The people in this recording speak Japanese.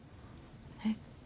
えっ？